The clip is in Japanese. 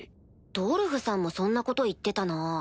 ドルフさんもそんなこと言ってたな。